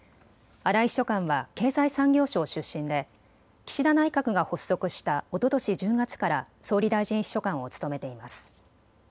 荒井秘書官は経済産業省出身で岸田内閣が発足したおととし１０月から総理大臣秘書官を務めています。